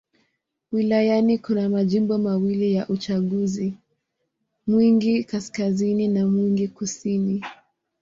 Wilayani kuna majimbo mawili ya uchaguzi: Mwingi Kaskazini na Mwingi Kusini.